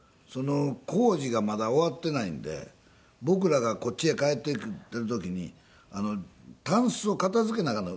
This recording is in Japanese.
工事がまだ終わってないんで僕らがこっちへ帰ってきている時にタンスを片付けなあかんの。